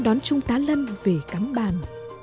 đón trung tá lân về cắm bàn